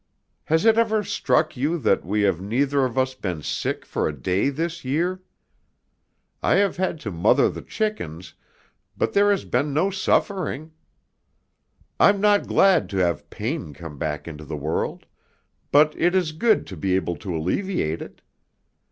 Has it ever struck you that we have neither of us been sick for a day this year? I have had to mother the chickens, but there has been no suffering. I'm not glad to have pain come into the world, but it is good to be able to alleviate it.